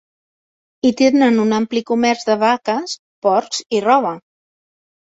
I tenen un ampli comerç de vaques, porcs i roba.